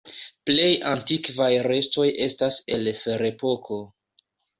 Plej antikvaj restoj estas el Ferepoko.